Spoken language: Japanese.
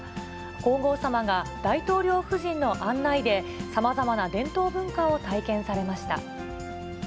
皇后さまが大統領夫人の案内で、さまざまな伝統文化を体験されました。